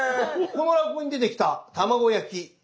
この落語に出てきた卵焼き